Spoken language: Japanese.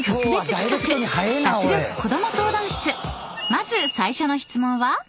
［まず最初の質問は？］